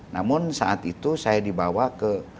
namun saat itu saya dibawa ke